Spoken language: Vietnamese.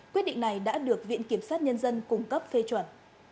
quyết định này đã được viện kiểm sát nhân dân cung cấp phê chuẩn